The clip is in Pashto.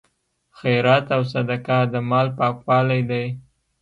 خیرات او صدقه د مال پاکوالی دی.